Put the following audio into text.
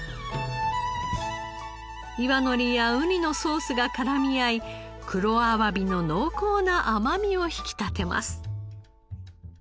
岩のりやうにのソースが絡み合い黒あわびの濃厚な甘みを引き立てます。